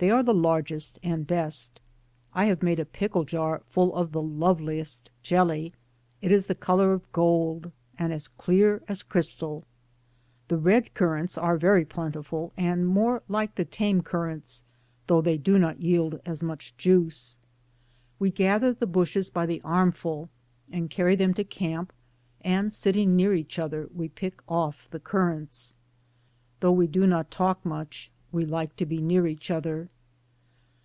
They are the largest and best. I have made a pickle jar full of the loveliest jelly. It is the color of gold and as clear as crystal. The red currants are very plentiful and more like the tame currants, though they do not yield as much juice. We gather the bushes by the armful, and carry them to camp, and sitting near each other, we pick off the currants. DAYS ON THE ROAD. 219 Though we do not talk much, we like to be near each other.